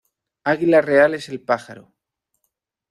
Águila real es el pájaro.